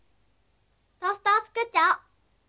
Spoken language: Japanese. トーストをつくっちゃおう！